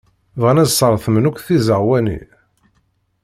Bɣan ad sretmen akk tizeɣwa-nni.